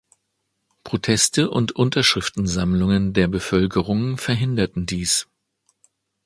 Proteste und Unterschriftensammlungen der Bevölkerung verhinderten dies.